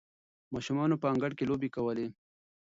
ماشومانو په انګړ کې لوبې کولې.